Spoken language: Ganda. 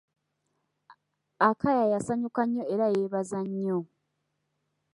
Akaya yasanyuka nnyo era yeebaza nnyo.